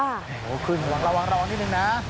ระวังนิดนึงนะ